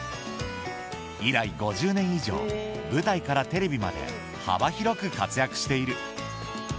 以来５０年以上舞台からテレビまで幅広く活躍している。